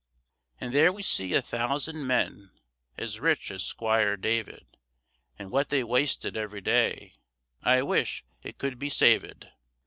And there we see a thousand men, As rich as 'Squire David; And what they wasted every day I wish it could be savèd.